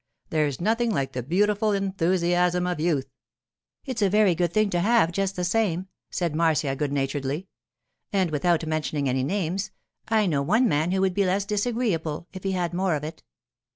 There's nothing like the beautiful enthusiasm of youth.' 'It's a very good thing to have, just the same,' said Marcia, good naturedly; 'and without mentioning any names, I know one man who would be less disagreeable if he had more of it.